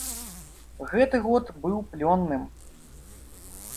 Гэты год быў плённым.